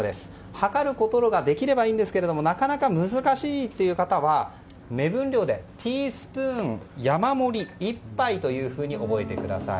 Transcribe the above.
量ることができればいいんですがなかなか難しいという方は目分量でティースプーン山盛り１杯と覚えてください。